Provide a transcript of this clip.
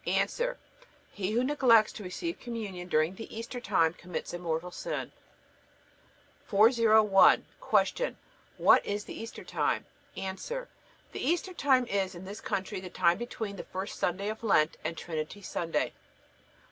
A. He who neglects to receive Communion during the Easter time commits a mortal sin. 401. Q. What is the Easter time? A. The Easter time is, in this country, the time between the first Sunday of Lent and Trinity Sunday.